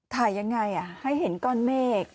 ถ่ายยังไงให้เห็นก้อนเมฆ